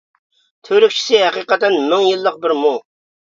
تۈركچىسى ھەقىقەتەن مىڭ يىللىق بىر مۇڭ!